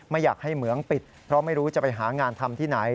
ไม่อยากให้เหมืองปิดเพราะไม่รู้จะไปหางานทำที่ไหน